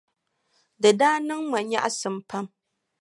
Di daa niŋ ma nyaɣisim pam.